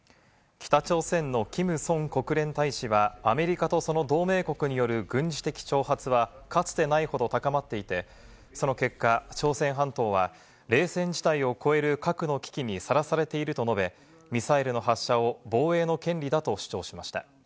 北朝鮮のキム・ソン国連大使は、アメリカとその同盟国による軍事的挑発はかつてないほど高まっていて、その結果、朝鮮半島は冷戦地帯を超える核の危機にさらされていると述べ、ミサイルの発射を防衛の権利だと主張しました。